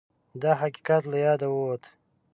دا حقیقت له یاده ووت